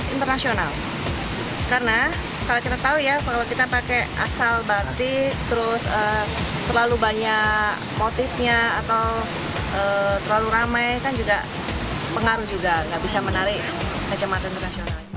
internasional karena kalau kita tahu ya kalau kita pakai asal batik terus terlalu banyak motifnya atau terlalu ramai kan juga sepengaruh juga nggak bisa menarik kacamata internasionalnya